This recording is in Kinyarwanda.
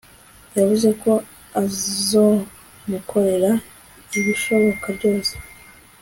yavuze ko azomukorera ibidhoboka byose